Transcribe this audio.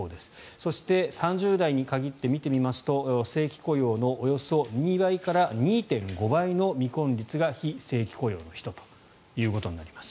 そして３０代に限って見てみますと正規雇用のおよそ２倍から２．５倍の未婚率が非正規雇用の人ということになります。